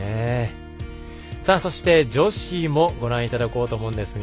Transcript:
そして女子もご覧いただこうと思うんですが。